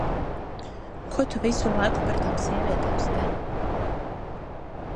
Ko tu visu laiku par tām sievietēm, Sten?